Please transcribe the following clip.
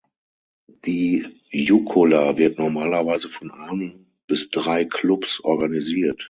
Die Jukola wird normalerweise von einem bis drei Klubs organisiert.